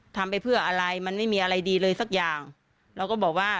ทำไปเพื่ออะไรมันไม่มีอะไรดีเลยสักอย่างเราก็บอกว่า